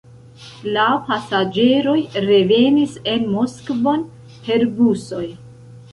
La pasaĝeroj revenis en Moskvon per busoj.